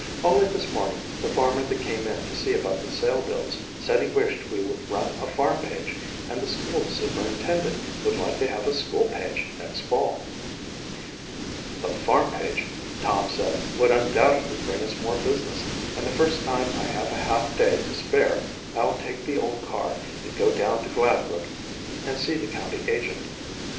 Only this morning the farmer that came in to see about the sale bills said he wished we would run a farm page and the school superintendent would like to have a school page next fall." "The farm page," Tom said, "would undoubtedly bring us more business and the first time I have a half day to spare I'll take the old car and go down to Gladbrook and see the county agent.